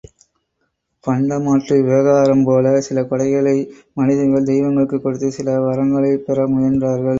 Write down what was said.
பண்டமாற்று விவகாரம் போல சில கொடைகளை மனிதர்கள் தெய்வங்களுக்குக் கொடுத்து, சில வரங்களைப் பெற முயன்றார்கள்.